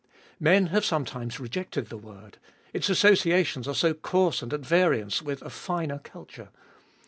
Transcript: Men have sometimes rejected the word : its associations are so coarse and at variance with a finer culture.